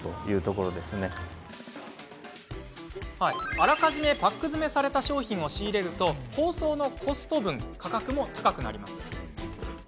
あらかじめパック詰めされた商品を仕入れると包装のコスト分価格も高くなります。